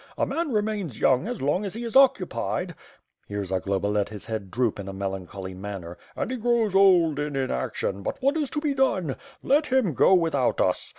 A man remains young as long as he is occupied" — (here Zagloba let his head droop in a melancholy manner) — "and he grows old in inac tion, but what is to be done? ... Tjet him go without us.